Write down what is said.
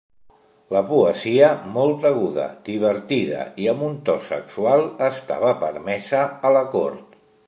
La poesia molt aguda, divertida i amb un to sexual estava permesa a la cort.